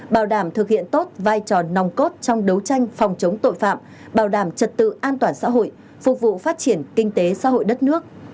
bảo đảm thực hiện tốt vai trò nòng cốt trong đấu tranh phòng chống tội phạm bảo đảm trật tự an toàn xã hội phục vụ phát triển kinh tế xã hội đất nước